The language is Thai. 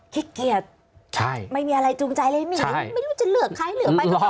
ขี้เกียจไม่มีอะไรจูงใจเลยไม่รู้จะเลือกใครเหลือไปก็พอ